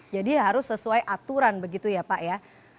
jadi harus sesuai aturan begitu ya pak ya